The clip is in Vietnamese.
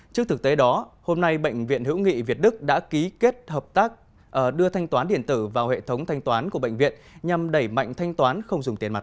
trước thực tế đó hôm nay bệnh viện hữu nghị việt đức đã ký kết hợp tác đưa thanh toán điện tử vào hệ thống thanh toán của bệnh viện nhằm đẩy mạnh thanh toán không dùng tiền mặt